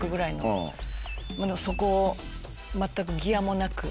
でもそこを全くギアもなく。